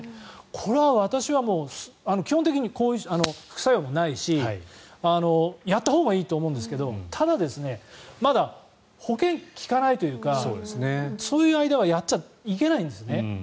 これは私は基本的に副作用もないしやったほうがいいと思うんですけどただ、まだ保険が利かないというかそういう間はやっちゃいけないんですね。